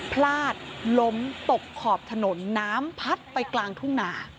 พลาดล้มตกขอบถนนน้ำพัดไปกลางทุ่งหนา